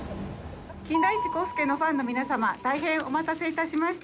金田一耕助のファンの皆様大変お待たせ致しました。